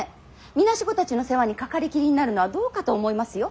孤児たちの世話に掛かりきりになるのはどうかと思いますよ。